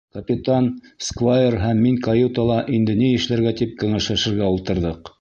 Капитан, сквайр һәм мин каютала, инде ни эшләргә тип, кәңәшләшергә ултырҙыҡ.